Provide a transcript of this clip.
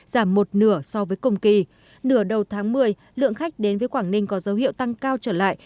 giảm một nửa so với cùng kỳ nửa đầu tháng một mươi lượng khách đến với quảng ninh có dấu hiệu tăng cao trở lại